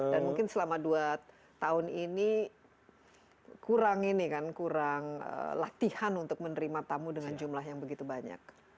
dan mungkin selama dua tahun ini kurang ini kan kurang latihan untuk menerima tamu dengan jumlah yang begitu banyak